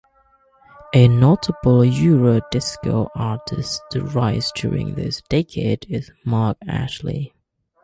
A notable Euro disco artist to rise during this decade is Mark Ashley.